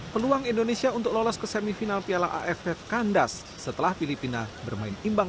peluang indonesia untuk lolos ke semifinal piala aff kandas setelah filipina bermain imbang